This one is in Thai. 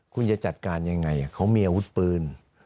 คุณจะจัดการยังไงเขามีอาวุธปืน